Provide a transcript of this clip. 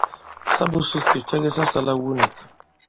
Sa būsūs kì cɛ ki sa sālā iwu nīk.